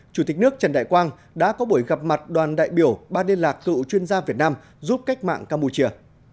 chủ tịch nước trần đại quang đã có buổi gặp mặt đoàn đại biểu ban liên lạc cựu chuyên gia việt nam giúp cách mạng campuchia